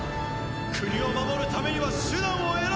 国を守るためには手段を選ばない！